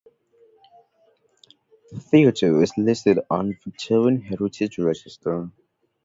The theatre is listed on the Victorian Heritage Register.